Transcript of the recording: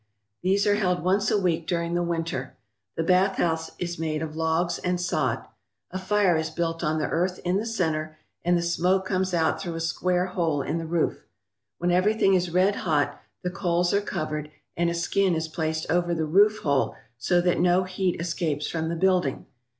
These are held once a week during the winter. The bath house is made of logs and sod. A fire is built on the earth in the centre, and the smoke comes out through a square hole in the roof. When everything is red hot the coals are covered and a skin is placed over the roof hole so that no heat escapes from the building.